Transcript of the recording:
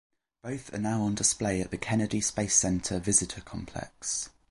Both are now on display at the Kennedy Space Center Visitor Complex.